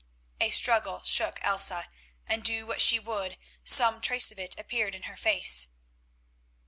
A struggle shook Elsa, and do what she would some trace of it appeared in her face.